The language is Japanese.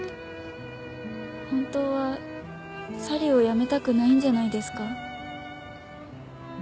本当はサリューを辞めたくないんじゃないですか？